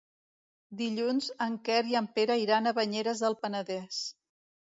Dilluns en Quer i en Pere iran a Banyeres del Penedès.